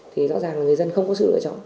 thì rõ ràng là người dân không có sự lựa chọn